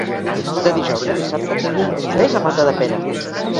De dijous a dissabte tinc un congrés a Matadepera.